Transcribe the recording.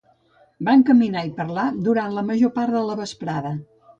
Van caminar i parlar durant la major part de la vesprada.